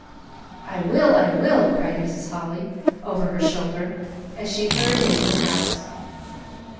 "I will, I will," called Mrs. Holly, over her shoulder, as she hurried into the house.